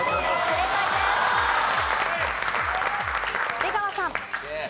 出川さん。